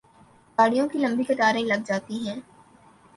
گاڑیوں کی لمبی قطاریں لگ جاتی ہیں۔